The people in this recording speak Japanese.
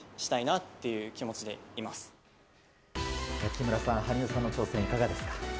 木村さん、羽生さんの挑戦いかがですか？